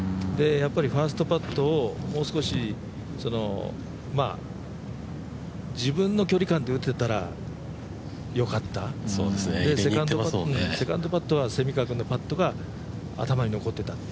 ファーストパットをもう少し自分の距離感で打てたらよかったセカンドパットは蝉川君のパットが頭に残ってた。